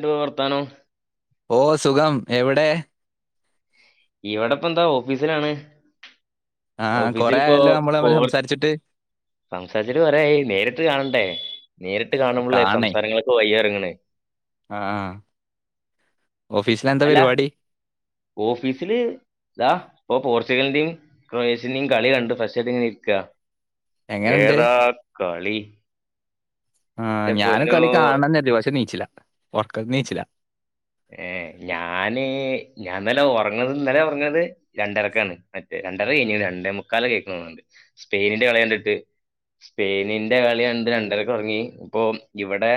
A വർത്താനോ ഓഹ് സുഖം എവിടെ ഇവിടെപ്പ എന്താ ഓഫീസിലാണ് ആ കൊറേ ഓഫീസിൽപ്പോ ആയല്ലോ നമ്മൾ തമ്മിൽ സംസാരിച്ചിട്ട് സംസാച്ചിട്ട് കൊറേ ആയി നേരിട്ട് കാണണ്ടേ നേരിട്ട് കാണുമ്പോള്ളേ സംസാരങ്ങളൊക്കെ വയ്യാറങ്ങനെ ആഹ് ഓഫീസില എന്താ അല്ല പരിപാടി ഓഫീസില് ഇതാ ഇപ്പൊ പോർച്ചുഗലിന്റെയും ക്രയേഷ്യന്റെയും കളി കണ്ട് ഫസ്റ്റ്യിത് ഇങ്ങനെ ഇരിക്ക എങ്ങനുണ്ട് ഏതാ കളി ആഹ് എന്റെ ഞാനും പൊന്നോ കളി കാണന്ന കരുതി നീച്ചില ഉറക്കതിന്ന് നീച്ചില ഏഹ് ഞാന് ഞാൻ ഇന്നല്ലെ [unintelligible] ഇന്നലെ ഓർങ്ങണത് രണ്ടരക്കാണ് മറ്റേ രണ്ടര കഴിഞ്ഞീണ് രണ്ടേ മുക്കാല കേൾക്കണ്ട് സ്പെയിനിന്റെ കളി കണ്ടിട്ട് സ്പെയിനിന്റെ കളിയണ്ട് ഇത് രണ്ടരക് റങ്ങി ഇപ്പൊ ഇവിടെ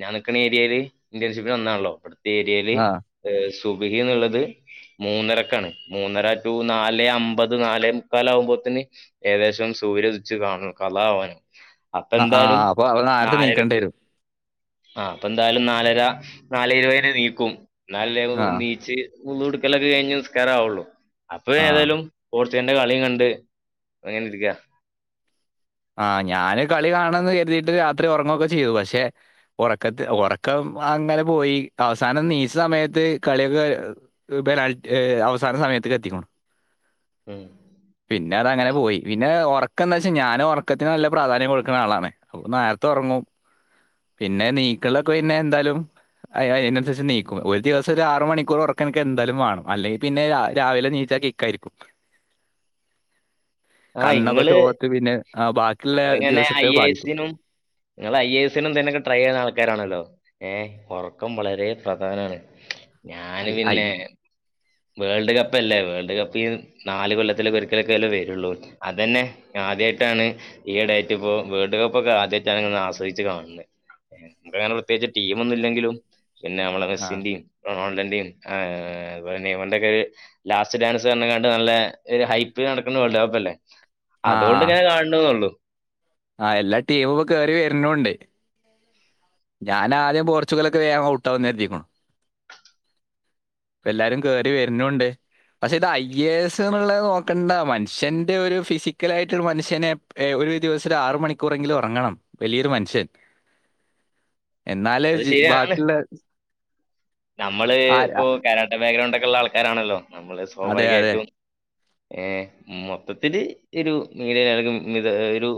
ഞാൻ നിക്കണ ഏരിയില് ഇന്റേൺഷിപ്പ് നന്നാണല്ലോ ഇവിടുത്തെ ഏയയില് ആ സുബഹി എന്നുള്ളത് മൂന്നരക്കാണ് മൂന്നര ടു നാല് അമ്പത് നാല് മുക്കാല ആകുമ്പോത്തന് ഏകദേശം സൂര്യദിച്ച് കാണണം കളാ ആവാൻ അപ്പ ആ ആ, എന്തായാലും അപ്പൊ അവ നേരത്തെ നീക്കേണ്ടി നാലരക്ക് വരും ആഹ് അപ്പൊ എന്തായാലും നാലര നാല ഇരുപന നീക്കും എന്നാല ആ നീച്ച് ഉള് എടുക്കലൊക്കെ കഴിഞ്ഞ് നിസ്കാര ആവുള്ളു അപ്പൊ ആ ഏതായാലും പോർചിൽ ന്റെ കളിയും കണ്ട് അങ്ങനെ ഇരിക്ക ആഹ് ഞാന് കളി കാണന്ന് കരുതിയിട്ട് രാത്രി ഉറങ്ങൊക്കെ ചെയ്തു പക്ഷെ ഉറക്കത്ത് ഉറക്കം അങ്ങനെ പോയി അവസാനം നീച്ച സമയത്ത് കളിയൊക്കെ ബല അവസാന സമയത്തേ ക്ക് എത്തിക്കോണം ഉമ് പിന്നെ അത അങ്ങനെ പോയി പിന്നെ ഒറക്ക എന്ന വെച്ചാ ഞാൻ ഒർ ക്കത്തിന് നല്ല പ്രാധാന്യം കൊടുക്കുന്ന ആളാണ് അപ്പൊ നേരത്തെ ഉറങ്ങും പിന്നെ നീക്കലൊക്കെ പിന്നെ എന്തായാലും അഹ് അതിനനുസരിച്ച് നീക്കും ഒരു ദിവസം ഒരു ആറു മണിക്കൂർ ഉറക്ക എനക്ക് എന്തായാലും വേണം അല്ലെങ്കിൽ പിന്നെ രാവിലെ നീ [unintelligible] ആ കണ്ണൊക്കെ ഇങ്ങള് ചോത്ത് പിന്നെ ബാക്കിയുള്ള ഇങ്ങളിങ്ങനെ ദിവസത്തെ ഐ ബാധിക്കും എസിനും നിങ്ങൾ ഐ എസിനും തിനോക്കെ ട്രൈ ചെയ്യുന്ന ആൾക്കാരാണല്ലോ ഏഹ് ഒറക്കം വളരെ പ്രധാനാണ് ഞാന് ഐ ഐ പിന്നെ വേൾഡ് കപ്പ് അല്ലേ വേൾഡ് കപ്പ് ഈ നാല് കൊല്ലത്തില ഒരിക്കലൊക്കെല്ലേ വരുള്ളൂ അതന്നെ ആദ്യായിട്ടാണ് ഈ ഡടേറ്റ് ഇപ്പോ വേൾഡ് കപ്പ് ഒക്കെ ആദ്യട്ടാണ് ഇങ്ങനെ ആശ്രയിച്ചു കാണുന്നത് നമുക്ക് അങ്ങനെ പ്രത്യേകിച്ച് ടീം ഒന്നുല്ലെങ്കിലും പിന്നെ നമ്മള ആ മെസ്സിന്റെ ടീം റൊണാൾടന്റിം ഏഹ് [unintelligible] ലാസ്റ്റ് ഡാൻസ് പറഞ്ഞ്ങ്ങാണ്ട് നല്ല ഒരു ഹൈപ്പില് നടക്ക്ണ വേൾഡ് കപ്പല്ലേ അതോണ്ട് ഞാൻ കാണ്ണ്ന്നൊള്ളു ആഹ് എല്ലാ ടീമു കേറി വര്ണൂണ്ട് ഞാനാദ്യം പോർച്ചുഗലൊക്ക വേഗം ഔട്ടാവുന്ന് കരുതീക്ക്ണു ഇപ്പെല്ലാരും കേറി വര്ണൂ ണ്ട് പക്ഷെ ഇത് ഐ എ എസ് ന്ന്ള്ളത് നോക്കണ്ട മനുഷ്യന്റെ ഒരു ഫിസിക്കലായിട്ടൊരു മനുഷ്യനെ ഏഹ് ഒരു ദിവസൊരാറ് മണിക്കൂറെങ്കിലും ഒറങ്ങണം വലിയൊരു മനുഷ്യൻ എന്നാലേ ഒരു അത് ജി ശരിയാണ് ബാക്കിള്ള നമ്മള് ഇപ്പോ കരാട്ടേ ബാക്ക്ഗ്രൗണ്ടക്കിള്ള ആൾക്കാരാണല്ലോ നമ്മള് അതെ അതെ സ്വാഭാവികായിട്ടും ഏഹ് മൊത്തത്തില് എരു [unintelligible] ഒരു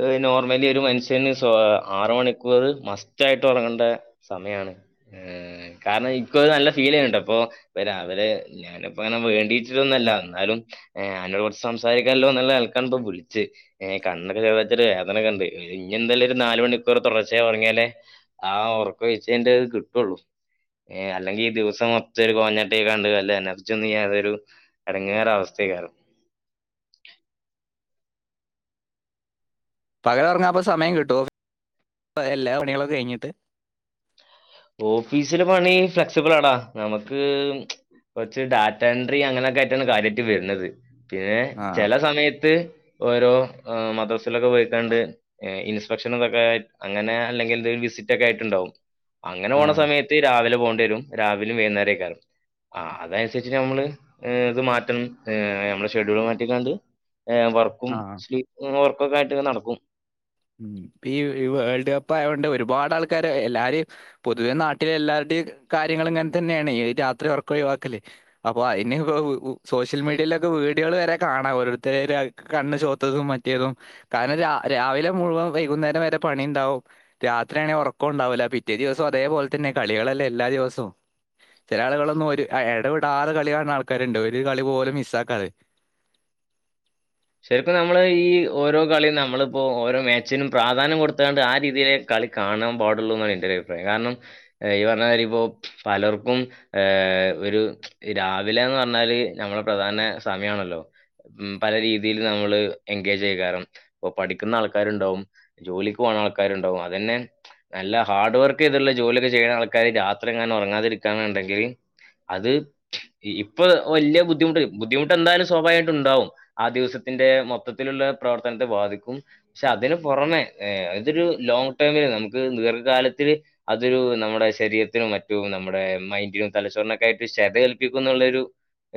ഏഹ് നോർമലി ഒരു മനുഷ്യന് സ്വ ആറ് മണിക്കൂറ് മസ്റ്റായിട്ടൊറങ്ങണ്ടേ സമയാണ് ഏഹ് കാരണം ഇക്കുവത് നല്ല ഫീൽ കണ്ടപ്പോ ഇന്ന് രവിലെ ഞാനിപ്പങ്ങന വേണ്ടീട്ടൊന്നല്ല അന്നാലും ഏഹ് അന്നോട് കൊറച്ച് സംസാരിക്കാല്ലോ നല്ലാൾക്കാണിപ്പൊ വിളിച്ചയ് ഏഹ് കണ്ണൊക്കെ ഓത്തൊരു വേദനെക്കണ്ട് ഇന്യെന്തായാലൊരു നാല് മണിക്കൂറ് തൊടർച്ചായി ഒറങ്ങിയാലേ ആഹ് ഒറക്കൊഴിച്ചയിന്റത് കിട്ടു ഒള്ളൂ ഏഹ് അല്ലെങ്കീ ദിവസം മൊത്തൊരു കോഞ്ഞാട്ടേയികാണ്ട് നല്ല എനർജിയൊന്നും യാതൊരു എടങ്ങേറവസ്ഥേക്കാരം പകലൊറങ്ങാ അപ്പ സമയം കിട്ടുവോ ഇപ്പ എല്ലാ പണികളൊക്ക കഴിഞ്ഞീട്ട് ഓഫീസില് പണി ഫ്ലെക്സിബിളാടാ നമക്ക് കൊറച്ച് ഡാറ്റാ എൻട്രി അങ്ങനെയൊക്കായിട്ടാണ് കാര്യായിറ്റ് വര്ണത് പിന്നെ ആ ചെല സമയത്ത് ഓരോ ആഹ് മദ്രസെലൊക്ക പോയിക്കാണ്ട് ഏഹ് ഇൻസ്പെക്ഷന് ന്നൊക്കെ അങ്ങനെ അല്ലെങ്കിൽത് വിസിറ്റൊക്കെ ആയിട്ട്ണ്ടാവും അങ്ങനെ ആ പോണ സമയത്ത് രാവിലെ പോകണ്ടി വരും രാവില്യും വൈകുന്നേരേക്കാരം ആഹ് അതനുസരിച്ചിട്ട് നമ്മള് ഏഹ് ഇത് മാറ്റണം ഏഹ് നമ്മള ഷെഡ്യൂള് മാറ്റിക്കാണ്ട് ഏഹ് വർക്കും ആ സ്ലീ ഉം ഒറക്കൊക്കായിട്ടിങ്ങ് നടക്കും ഇപ്പീ വ് ഈ വേൾഡ് കപ്പായോണ്ട് ഒരുപാടാള്ക്കാര് എല്ലാരു ഈ പൊതുവെ നാട്ടിലെല്ലാവരുടെയും കാര്യങ്ങളിങ്ങനെത്തന്നേണേ ഈ രാത്രി ഒറക്കൊഴിവാക്കല് അപ്പൊ അയിന് വോ ഊ ഉ സോഷ്യൽ മീഡിയേലൊക്ക വീഡിയോകള് വരെ കാണാ ഓരോരുത്തരാ കണ്ണ് ചോത്തതും മറ്റിയതും കാരണം രാ രാവിലെ മുഴുവൻ വൈകുന്നേരം വരെ പണി ഇണ്ടാവും രാത്രിയാണേ ഒറക്കോ ഉണ്ടാവൂല പിറ്റേ ദിവസോ അതേപോല തന്നെ കളികളല്ലേ എല്ലാ ദിവസോം ചെലാളുകളൊന്നും ഒരു ആഹ് എടവിടാതെ കളി കാണ്ണ ആൾക്കാര്ണ്ട് ഒരു കളി പോലും മിസ്സാക്കാതെ ചേട്ടാ നമ്മള് ഈ ഓരോ കളിയും നമ്മളിപ്പോ ഓരോ മാച്ചിനും പ്രാധാന്യം കൊടുത്ത്കാണ്ട് ആ രീതിയില് കളി കാണാൻ പാടൊള്ളൂന്നാ എന്റെ അഭിപ്രായം കാരണം ഏഹ് ഈ പറഞ്ഞ മാരി ഇപ്പോ പലർക്കും ഏഹ് ഒരു ഈ രാവിലേന്ന് പറഞ്ഞാല് നമ്മള പ്രധാന സമയാണല്ലോ ഉം പല രീത് തീല് നമ്മള് എൻഗേജേക്കാരം ഒ പഠിക്കുന്ന ആള്ക്കാര്ണ്ടാവും ജോലിക്ക് പോണാൾക്കാര്ണ്ടാവും അതന്നെ നല്ല ഹാർഡ് വർക്ക് ചെയ്ത്ള്ള ജോലിയൊക്കെ ചെയ്യ്ണ ആൾക്കാര് രാത്രി എങ്ങാനൊറങ്ങാതിരിക്കാന്ന്ണ്ടെങ്കില് അത് ഈ ഇപ്പൊ വല്ല്യ ബുദ്ധിമുട്ടരും ബുദ്ധിമുട്ടെന്തായാലും സ്വാഭാവികായിട്ടുണ്ടാവും ആ ദിവസത് ത്തിന്റെ മൊത്തത്തില്ള്ള പ്രവർത്തനത്തെ ബാധിക്കും ക്ഷെ അതിന് പൊറമേ ഏഹ് ഇതൊരു ലോങ്ങ് ടേമില് നമുക്ക് ദീർഘകാലത്തില് അതൊരു നമ്മുടെ ശരീരത്തിനും മറ്റു നമ്മുടെ മൈൻഡിനും തലച്ചോറിനൊക്കേയിട്ട് ക്ഷതേൽപ്പിക്കുന്നുള്ളൊരു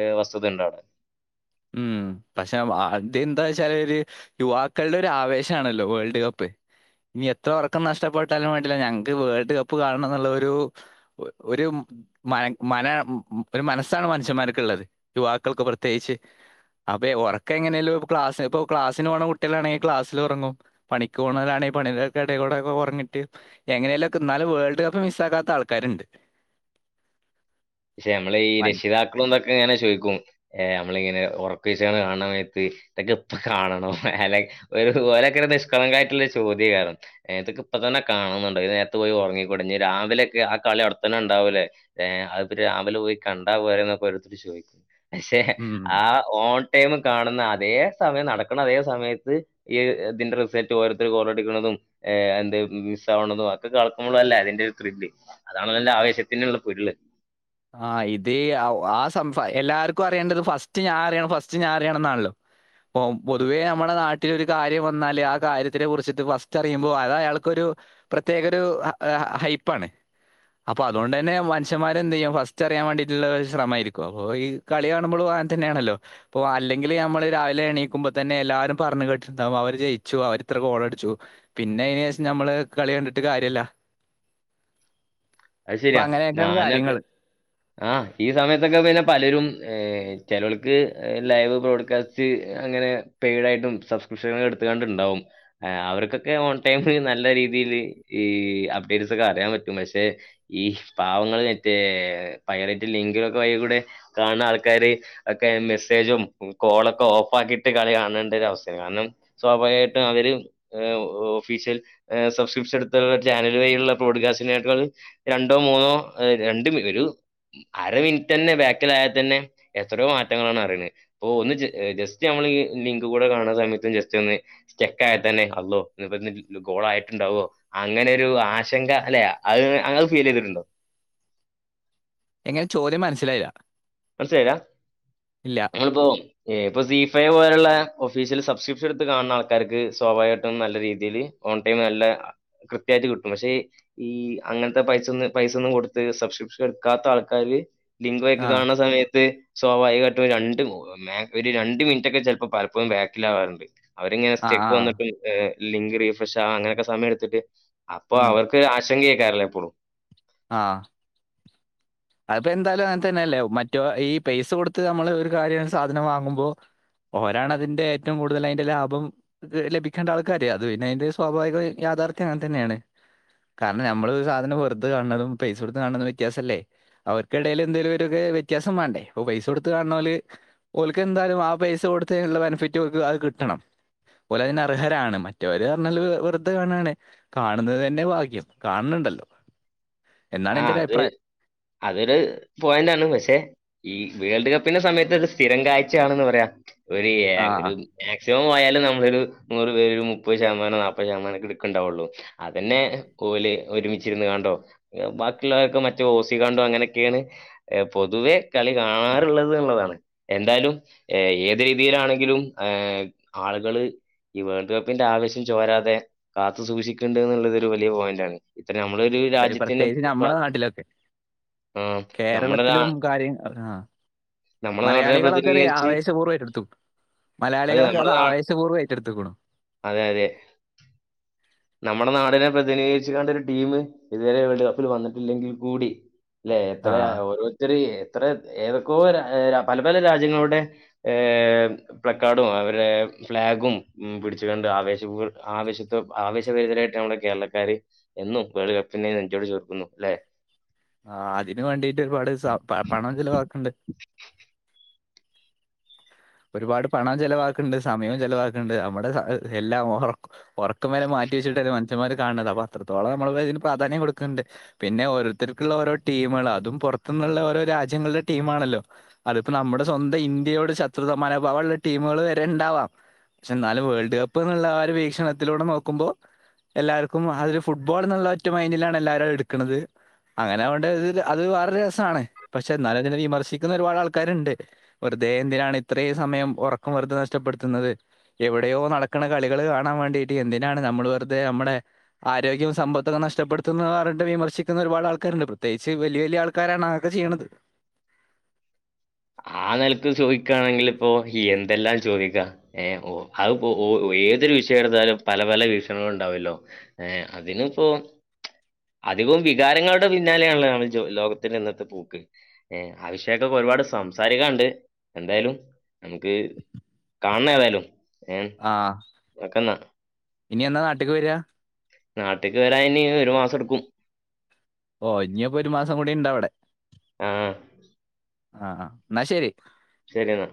ഏ വസ്തുത ഇണ്ടവടെ ഉം പക്ഷെ വാട്ടിയെന്താച്ചാലൊര് യുവാക്കൾടെയൊരാവേശാണല്ലോ വേൾഡ് കപ്പ് ഇനിയെത്ര ഒറക്കം നഷ്ടപ്പെട്ടാലും വേണ്ടില്ല ഞങ്ങ്ക്ക് വേൾഡ് കപ്പ് കാണണംന്ന്ള്ളോരു ഒരു മന മന ഒരു മനസ്സാണ് മനുഷ്യന്മാർക്ക ഉള്ളത് യുവാക്കൾക്ക് പ്രത്യേകിച്ച് അപ്പേ ഉറക്കെങ്ങെയല്ലോ ക്ലാസ് ഇപ്പോ ക്ലാസിന് പോണം കുട്ടളാണെങ്ക ക്ലാസിൽ ഉറങ്ങും പണിക് പോണോർ അന്നേൽ പണിക്ക ഇട കൂടെൊക്കെ ഉറങ്ങിട്ട് എങ്ങനെയല്ലാം എന്നാലും വേൾഡ് കപ്പ് മിസ് ആകാത്ത ആൾക്കാരുണ്ട് പക്ഷെ നമ്മള ഈ മൻ- രക്ഷിതാക്കളുംന്തൊക്കെ എങ്ങനെ ചോദിക്കും നമ്മളിങ്ങനെ ഉറക്ക ഒഴിച് കാണമത്ത് ഇതൊക്കെ ഇപ്പ കാണണ അല്ലെ ഒരു ഓലക്കോ നിഷ്കളങ്കകായിട്ടുള്ള ഒരു ചോദ്യ കാരണം ക്ക ഇപ്പ തന്നെ കാണുന്നുണ്ടോ ഇ നേരത്തത്ത് പോയി ഉറങ്ങിക്കൊടിഞ്ഞ് രാവിലെൊക്കെ ആ കളി അവിടെത്തന്നെ ഉണ്ടാവൂലേ അത് രാവിലെ പോയി കണ്ടാ പോര എന്നൊക്കെ ഓരോത്തർ ചോദിക്കുന്നു പക്ഷെ ഉം. ആ ഓൺ ടൈം കാണുന്ന അതേ സമയം നടക്കണം അതേ സമയത്ത് ഈ തിന്റെ റിസൽറ്റ് ഓരോത്തര് ഗോളടിക്കുന്നതും ഏ എന്തെ മിസാവ്ണതും ഒക്ക കളക്കുമ്പളല്ലെ അതിന്റെ ഒരു ത്രില്ല് അതാണ് നല്ല ആവേശത്തിനുള്ള പൊരുള് ആ ഇതി ആ ഒ ആ സംഫ എല്ലാര്ക്കു അറിയണ്ടത് ഫസ്റ്റ് ഞാ അറിയണം ഫസ്റ്റ് ഞാ അറിയണം ന്നാണല്ലൊ പ്പൊം പൊതുവേ നമ്മളെ നാട്ടിലൊര് കാര്യം വന്നാല് ആ കാര്യത്തിനെ കുറിച്ചിട്ട് ഫസ്‌റ്ററിയുമ്പൊ അതയാൾക്കൊരു പ്രത്യേകൊരു അ അ ഹൈപ്പാണ് അപ്പതോണ്ടെന്നെ മനുഷ്യമാരെന്തെയ്യും ഫ സ്റ്റ്റിയാം വേണ്ടിട്ടുള്ള ഒരു ശ്രമായിരിക്കു അപ്പോ ഈ കളി കാണുമ്പളു അങ്ങൻ തന്നയാണല്ലൊ പ്പൊ അല്ലെങ്കില് ഞമ്മള് രാവിലേണീക്കുമ്പ തന്നെ എല്ലാരും പറഞ്ഞ് കേട്ട്ണ്ടാവു അവര് ജയിച്ചു അവരിത്ര ഗോളടിച്ചു പിന്നയിനേഷം ഞമ്മള് ക്കളി കണ്ട്ട്ട് കാര്യല്ല അത് ശെരിയാ ഞാനൊക്കെ ആ ഈ സമയത്തൊക്കെ പിന്നെ പലരും ചിലവൾക്ക് ലൈവ് ബ്രോഡ്കാസ്റ്റ് തി അങ്ങനെ പെയ്ഡായിട്ടും സബ്സ്ക്രിപ്ഷന എട്ത്ത് കാണ്ട്ണ്ടാകും ആ അവര്ക്കൊക്കെ ഓൺ ടൈം ഫ്രീ നല്ല രീതില് ഈ അപ്ഡേറ്റ്സ് ഒക്ക അറിയാം പറ്റും പക്ഷേ ഈ പാവങ്ങള് മറ്റേ പൈവറ്റ് ലിങ്കിലൊക്ക വൈ കൂടെ കാണ്ന്നാൾക്കാാര് ഒക്കെ മെസ്സേജും ഉം കോളൊക്ക ഓഫാക്കിട്ട് കളി കാണണ്ടരവസ്ഥ കാനം സ്വാഭാവികായിട്ടു അവര് ഏ ഒ ഒഫീഷ്യൽ ഏ സബ്സ്ക്രിപ്ഷടുത്ത ചാനൽ വഴിള്ള പ്രോഡ്കാസ്റ്റിനേക്കാൾ രണ്ടോ മൂന്നോ എ രണ്ടു [unintelligible] അര മിൻറ്റന്നെ ബേക്കിലായാ തെന്നെ എത്രോ മാറ്റങ്ങളാണ് അറീണെ പ്പൊ ഒന്ന് ജ ജസ്റ്റ് ഞമ്മള് ഈ ലിങ്ക് കൂടെ കാണ സമയത്തും ജസ്റ്റൊന്ന് സ്റ്റക്കായ തന്നെ അള്ളോ [unintelligible] ല് കോളായിട്ട്ണ്ടാവോ അങ്ങനൊരു ആശങ്ക അല്ലെ അഅ് അങ് ഫീലെയ്തിട്ടുണ്ടോ എങ്ങനെ ചോദ്യം മനസ്സിലായില മനസ്സിലായിലാ? ഞങ്ങളിപ്പോ ഏ പ്പൊ സി ഫൈവ് പോലള്ളെ ഒഫീഷ്യല് സബ്സിപ്ഷ എടുത്ത് കാണ്ന്ന ആൾക്കാര്ക്ക് സ്വാഭാവികായിട്ടും നല്ല രീതീല് ഓൺ ടൈമ് നല്ല അ കൃത്യായിട്ട് ക്‌ട്ടും പക്ഷേ ഈ ഈ അങ്ങൻത്ത പൈസൊന്ന് പൈസൊന്നും കൊടുത്ത് സബ്സ്ക്പ്ഷൻ ട്‌ക്കാത്താ ൾക്കാല് ലിങ്ക് വ ആ കാണ്ന്ന സമയത്ത് സ്വാഭാവികായിട്ടു രണ്ട് മേ ഒര് രണ്ട് മിൻറ്റൊക്കെ ചെൽപ്പൊ പലപ്പഴും ബേക്കിലാവാറുണ്ട് അവരിങ്ങന ആ ആ സ്റ്റെക്ക് വന്നപ്പല് ഏ ലിങ്ക് റിഫ്രഷ് ആവാ അങ്ങനൊക്ക സമയെടുത്തിട്ട് അപ്പൊ ഉം അവർക്ക് ആശങ്കയേക്കേറില്ലെ എപ്പളും ആഹ് അതെന്താലും അങ്ങൻ തന്നെല്ലേ മറ്റോ ഈ പൈസ കൊടുത്ത് നമ്മള് ഒരു കാര്യായ സാധനം വാങ്ങുമ്പൊ ഓരാണതിന്റേറ്റവും കൂടുതൽ അയിന്റെ ലാഭം ത് ലഭിക്കേണ്ട ആൾക്കാരേ അത് പിന്നയിന്റെ സ്വാഭാവിക യാഥാർത്ഥ്യം അങ്ങൻ തന്നെയാണ് കാരണം ഞമ്മളൊരു സാധനം വെറുത കാണ്ന്നതും പൈസ കൊടുത്ത് കാണ്ന്നതു വ്യത്യാസല്ലേ? അവക്കെടേലെന്തേലു ഒരൊ കെ വ്യത്യാസം വേണ്ടേ പ്പൊ പൈസ കൊടുത്ത് കാണാന്നൂർ ഓല്ക്കെന്താലും ആ പൈസ കൊടുത്തെനുള്ള ബെനിഫിറ്റ് ഓൽക്ക് അഅ് ക്‌ട്ടണം ഓലയ്നർഹരാണ് മറ്റവര് അർഞ്ഞാല് വെറ്ത കാണാണ് കാണ്ന്നത്‌ തന്നെ വാഗ്യം കാൺന്ന്ണ്ടല്ലൊ ആ അത് അതൊര് പോയന്റാണ് പക്ഷെ ഈ വേൾഡ് കപ്പിന്റെ സമയത്തത് സ്ഥിരം കായ്ചയാണെന്ന് പറയാ ഒര് ഏ ആ ഒര് മേക്സിമം പോയാല് നമ്മളൊരു നൂറ് പേര് മുപ്പത് ശതമാനം നാപ്പത് ശതമാനൊക്കെട്‌ക്കണ്ടാവുള്ളു അതെന്നെ കോല് ഒരുമിച്ചിരുന്ന് കാണ്ടോ ഏ ബാക്കിയുള്ളവരൊക്ക മറ്റേ ഓസി കാണ്ടു അങ്ങനൊക്കെയാണ് എ പൊതുവേ കളി കാണാറ്ള്ളത്‌ള്ളതാണ് എന്തായാലും എ ഏത് രീതിയിലാണെങ്കിലും ഏഹ് ആള്കള് ഈ വേൾഡ് കപ്പിന്റാവശ്യം ചോരാതെ കാത്തു സൂക്ഷിക്ക്ണ്ട് ന്ന്ള്ളതൊരു വലിയ പോയന്റാണ് ഇത്ര ഞമ്മളൊര് രാജ്യ ത്യേകിച്ച് ഞമ്മള നാട്ടിലൊക്കെ ആഹ് നമ്മളൊരാ കേരളത്തിലും കാര്യം അഥാ നമ്മുടെ നാടിനെ മലയാളികളൊക്കെതേ പ്രതിനിധീകരിച്ച് ആവേശപൂർവ്വായിട്ടെടുത്തു അതെ മലയാളികളൊക്കെ നമ്മുടെ അത് നാ ആവേശപൂർവ്വം ഏറ്റെടുത്തെക്കുണു അതെ അതെ നമ്മടെ നാടിനെ പ്രതിനിധീകരിച്ച്കാണ്ട് ഒരു ടീമ് ഇതുവരെ വേൾഡ് കപ്പില് വന്നിട്ടില്ലെങ്കിൽ കൂടി അല്ലെ എത്ര ആ ഓരോരുത്തര് എത്ര ഏതൊക്കോ ര പല പല രാജ്യങ്ങളുടെ ഏഹ് പ്ലക്കാർഡും അവരുടെ ഫ്ളാഗും പിടിച്ചു കൊണ്ട് ആവേശപൂ ആവേശത്തോ ആവേശപരിതരായിട്ട് നമ്മടെ കേരളക്കാര് എന്നും വേൾഡ് കപ്പിനെ നെഞ്ചോട് ചേർക്കുന്നു അല്ലെ ആഹ് അതിന് വേണ്ടീട്ട് ഒരുപാട് സ പ പണം ചെലവാക്കിണ്ട് ഒരുപാട് പണം ചെലവാക്ണ്ട് സമയൊം ചെലവാക്ണ്ട് നമ്ടെ [unintelligible] ഉറക്കം വരെ മാറ്റി വച്ചിട്ടല്ലേ മനുഷ്യന്മാര് കാണ്ന്നത് അപ്പം അത്രോളം നമ്മള് ഇതിന് പ്രധാന്യം കൊടുക്കണ്ട് പിന്നെ ഓരോരുത്തര്ക്ക്ള്ള ഓരോ ടീമളാ അതും പൊറത്ത്ന്നുള്ള ഓരോ രാജ്യങ്ങള്ടെ ടീമാണല്ലോ അതിപ്പം നമ്മുടെ സ്വന്തം ഇന്ത്യയോട് ശത്രുത മനോഭാവോള്ള ടീമ്ള് വരെ ഇണ്ടാവാം പക്ഷെ എന്നാലും വേൾഡ് കപ്പ് എന്നുള്ള ആ ഒര് വീക്ഷണത്തിലൂടെ നോക്കുമ്പോ എല്ലാർക്കും അതൊര് ഫുട്ബോൾ എന്നുള്ള ഒറ്റ മൈന്റിലാണ് എല്ലാവരും എടുക്കണത് അങ്ങനെ അവണ്ടെ ഇതില് അത് വേറൊരു രസാണ് പക്ഷെ എന്നാലും അതിനെ വിമർശിക്കുന്ന ഒരുപാട് ആൾക്കാരിണ്ട് വെറുതെ എന്തിനാണ് ഇത്രയും സമയം ഉറക്കം വെറുതെ നഷ്ടപ്പെടുത്തുന്നത് എവിടെയോ നടക്കണ കളികള് കാണാൻ വേണ്ടിട്ട് എന്തിനാണ് നമ്മള് വെറുതെ നമ്മടെ ആരോഗ്യവും സമ്പത്തൊക്കെ നഷ്ടപ്പെടു ത്തുന്ന പറഞ്ഞിട്ട് വിമർശിക്കുന്ന ഒരുപാട് ആൾക്കാരിണ്ട് പ്രതേകിച്ച് വല്യയ വല്യയ ആൾക്കാരാണ് അതൊക്കെ ചെയ്യണത് ആ നെലക്ക് ചോദിക്കനാണെങ്കിലിപ്പോ ഈ എന്തെല്ലാം ചോദിക്കാ ഏഹ് ഓ അതിപ്പോ ഓ ഏതൊരു വിഷയം എടുത്താലും പല പല വീഷണങ്ങള് ഇണ്ടാവുല്ലോ ഏഹ് അതിനിപ്പോ അധികവും വികാരങ്ങളുടെ പിന്നാലെയാണല്ലോ നമ്മുടെ ലോകത്തിന്റെ ഇന്നത്തെ പോക്ക് ഏഹ് ആ വിഷയോക്കെ ഒരുപാട് സം സാരിക്കാണ്ട് എന്തായാലും നമുക്ക് കാണണേ ഏതായാലും ഏഹ് ആഹ് ഓക്കെന്നാ. ഇനി എന്നാ നാട്ടിക്ക് വെര്യാ നാട്ടിക്ക് വെരാൻ ഇനി ഒരു മാസം എടുക്കും ഓ ഇനിയപ്പം ഒരു മാസം കൂടി ഇണ്ട് അവടെ ആഹ് ആഹ് എന്നാ ശരി ശരി എന്നാ